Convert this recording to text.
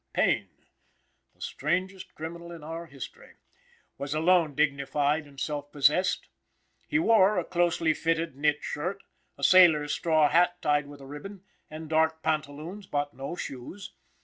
Payne, the strangest criminal in our history, was alone dignified and self possessed. He wore a closely fitting knit shirt, a sailor's straw hat tied with a ribbon, and dark pantaloons, but no shoes.